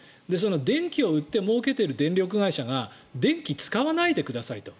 電気を売ってもうけている電力会社が電気を使わないでくださいと。